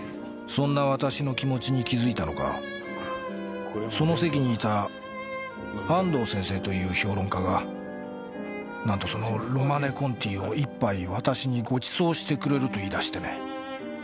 そんな私の気持ちに気づいたのかその席にいた安藤先生という評論家が何とその「ロマネ・コンティ」を１杯私にご馳走してくれると言い出してね。